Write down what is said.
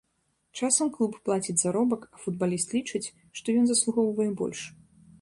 Часам клуб плаціць заробак, а футбаліст лічыць, што ён заслугоўвае больш.